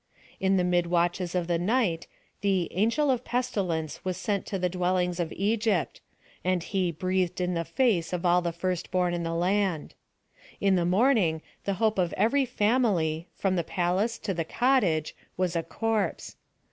In the mid watches of the night, the ' Angel of the Pestilence' was sent to the dwellinofs of Egypt, and he 'breathed in the face' of all the firstborn in the land. In the morning, the hope of every family, from the palace to the cot tage, was a corpse.